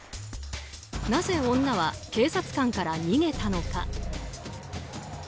なぜ女は、警察官から逃げたのか。